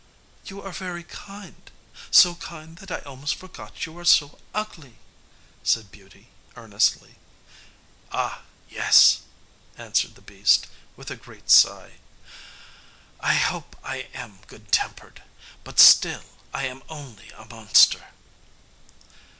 "You are very kind so kind that I almost forgot you are so ugly," said Beauty, earnestly. "Ah! yes," answered the beast, with a great sigh; "I hope I am good tempered, but still I am only a monster."